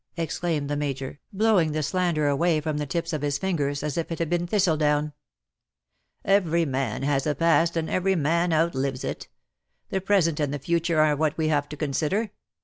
exclaimed the 3.Iajor, blowing the slander away from the tips of his fingers as if it had been thistledown. " Every man has a past, and every man outlives it. The present and the future are what we have to consider.